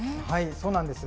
そうなんです。